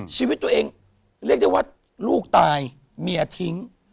ชีวิตตัวเองเรียกได้ว่าลูกตายเมียทิ้ง